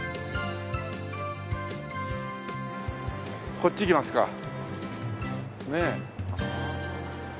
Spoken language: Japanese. こっち行きますかねえ。